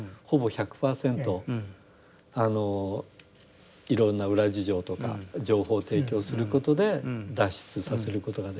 あのいろんな裏事情とか情報を提供することで脱出させることができる。